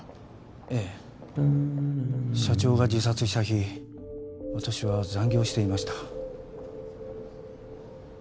ええ社長が自殺した日私は残業していました